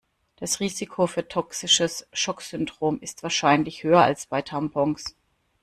Das Risiko für toxisches Schocksyndrom ist wahrscheinlich höher als bei Tampons.